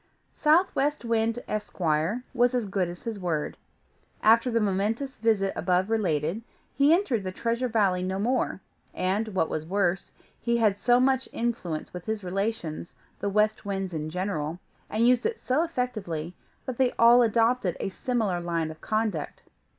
Southwest Wind, Esquire, was as good as his word. After the momentous visit above related, he entered the Treasure Valley no more; and, what was worse, he had so much influence with his relations, the West Winds in general, and used it so effectually, that they all adopted a similar line of conduct.